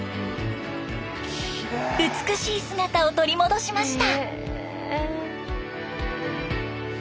美しい姿を取り戻しました！